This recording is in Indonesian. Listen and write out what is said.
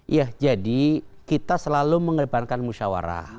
iya jadi kita selalu mengembangkan musyawarah